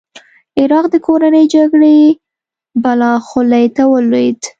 عراق د کورنۍ جګړې بلا خولې ته ولوېد.